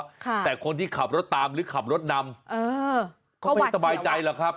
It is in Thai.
ค่ะแต่คนที่ขับรถตามหรือขับรถนำเออก็ไม่สบายใจหรอกครับ